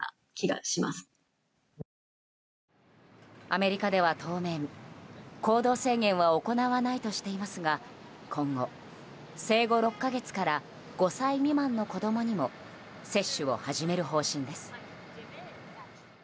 アメリカでは当面、行動制限は行わないとしていますが今後、生後６か月から５歳未満の子供にも接種を始める方針です。